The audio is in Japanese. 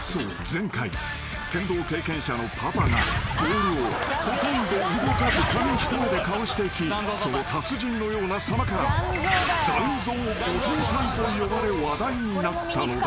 前回剣道経験者のパパがボールをほとんど動かず紙一重でかわしていきその達人のような様から残像お父さんと呼ばれ話題になったのだ］